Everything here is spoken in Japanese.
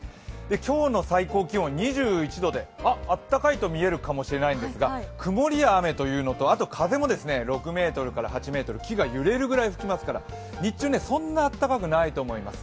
今日の最高気温２１度であったかいと見えるかもしれないんですが、曇りや雨というのとあと風も６ｍから８ｍ、木が揺れるぐらい吹きますから、日中はそんなに暖かくないと思います。